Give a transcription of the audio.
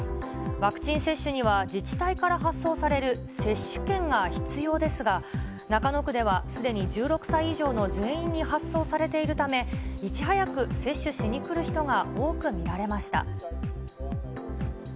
ワクチン接種には自治体から発送される接種券が必要ですが、中野区ではすでに１６歳以上の全員に発送されているため、いち早く接種しに来る人が多く見られました。